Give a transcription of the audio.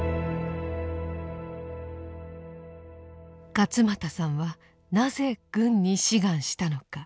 勝又さんはなぜ軍に志願したのか。